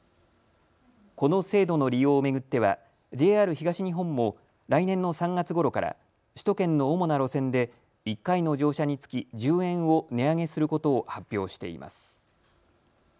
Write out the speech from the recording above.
この制度の利用を巡ってはＪＲ東日本も来年の３月ごろから首都圏の主な路線で１回の乗車につき１０円を値上げすることを発表しています。